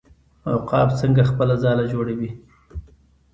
عقاب څنګه خپله ځاله جوړوي؟